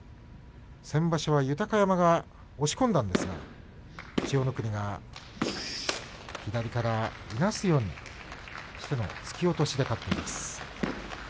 先場所、豊山を押し込んだんですけども千代の国が左からいなすようにして突き落としで勝っています。